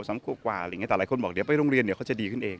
สามครัวกว่าแต่หลายคนบอกไปโรงเรียนเขาจะดีขึ้นเอง